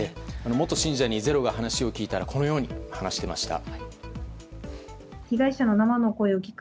元信者に「ｚｅｒｏ」が話を聞いたらこのように話をしていました。